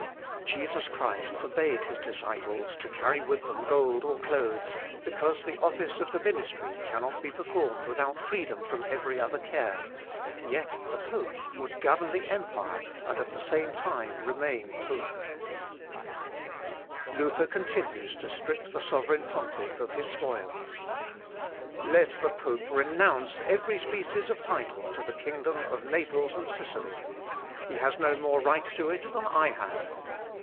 Jesus Christ forbade his disciples to carry with them gold or clothes, because the office of the ministry cannot be performed without freedom from every other care; yet the pope would govern the empire, and at the same time remain pope."... [Sidenote: THE POPE. CELIBACY OF THE CLERGY.] Luther continues to strip the sovereign pontiff of his spoils. "Let the pope renounce every species of title to the kingdom of Naples and Sicily. He has no more right to it than I have.